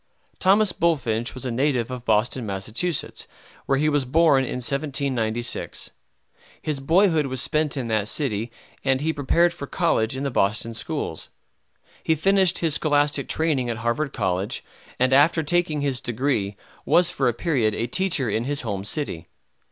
Thomas Bulfinch was a native of Boston, Mass., where he was born in 1796. His boyhood was spent in that city, and he prepared for college in the Boston schools. He finished his scholastic training at Harvard College, and after taking his degree was for a period a teacher in his home city.